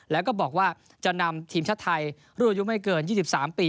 แล้วก็บอกว่าจะนำทีมชาติไทยรุ่นอายุไม่เกิน๒๓ปี